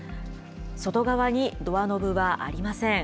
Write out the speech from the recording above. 外側にドアノブはありません。